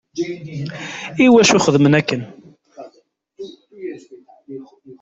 Iwacu xeddmen akken?